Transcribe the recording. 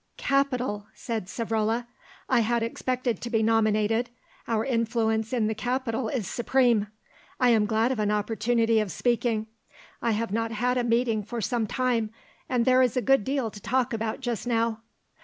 "Capital!" said Savrola. "I had expected to be nominated; our influence in the capital is supreme. I am glad of an opportunity of speaking; I have not had a meeting for some time, and there is a good deal to talk about just now.